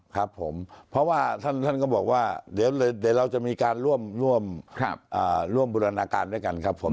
ครับผมเพราะว่าท่านก็บอกว่าเดี๋ยวเราจะมีการร่วมบูรณาการด้วยกันครับผม